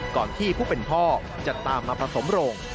ที่ผู้เป็นพ่อจะตามมาผสมโรง